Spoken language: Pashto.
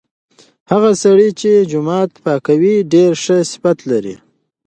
هغه سړی چې جومات پاکوي ډیر ښه صفت لري.